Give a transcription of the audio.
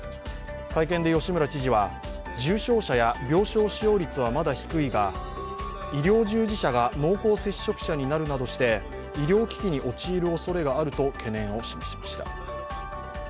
会見で吉村知事は重症者は病床使用率は、まだ低いが医療従事者が濃厚接触者になるなどして、医療危機に陥るおそれがあると懸念を示しました。